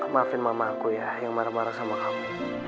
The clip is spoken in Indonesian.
maafin mama aku ya yang marah marah sama kamu